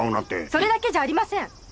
それだけじゃありません！